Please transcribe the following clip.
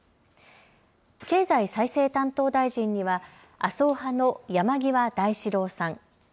経済再生担当大臣には麻生派の山際大志郎さん。